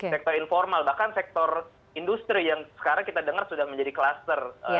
sektor informal bahkan sektor industri yang sekarang kita dengar sudah menjadi kluster